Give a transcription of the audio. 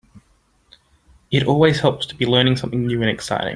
It always helps to be learning something new and exciting.